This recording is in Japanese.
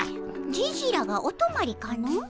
ジジらがおとまりかの？